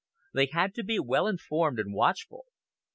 They had to be well informed and watchful.